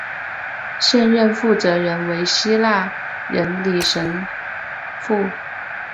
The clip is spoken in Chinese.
现任负责人为希腊人李亮神父。